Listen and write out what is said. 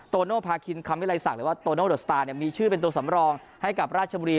โตโนภาคินคำวิลัยศักดิ์หรือว่าโตโนเดอร์สตาร์มีชื่อเป็นตัวสำรองให้กับราชบุรี